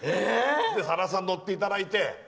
さださんに乗っていただいて。